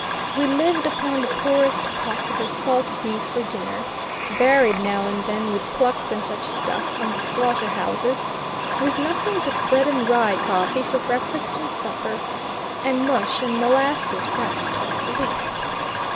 We lived upon the poorest possible salt beef for dinner, varied now and then with plucks and such stuff from the slaughter houses, with nothing but bread and rye coffee for breakfast and supper, and mush and molasses perhaps twice a week.